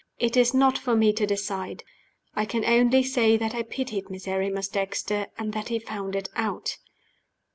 It is not for me to decide. I can only say that I pitied Miserrimus Dexter and that he found it out.